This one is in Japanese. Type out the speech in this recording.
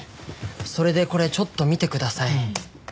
それでこれちょっと見てください。